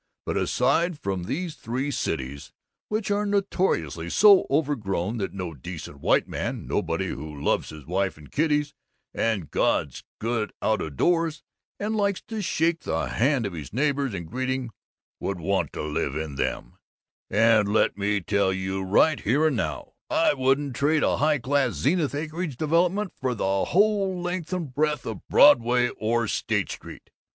But aside from these three cities, which are notoriously so overgrown that no decent white man, nobody who loves his wife and kiddies and God's good out o' doors and likes to shake the hand of his neighbor in greeting, would want to live in them and let me tell you right here and now, I wouldn't trade a high class Zenith acreage development for the whole length and breadth of Broadway or State Street!